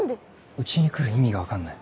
うちに来る意味が分かんない。